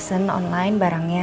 pesen online barangnya